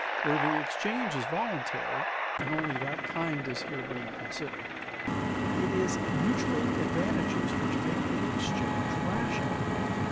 Where the exchange is voluntary (and only that kind is here being considered), it is mutual advantages which make the exchange rational.